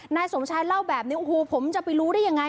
นายสมชายเล่าแบบนี้โอ้โหผมจะไปรู้ได้ยังไง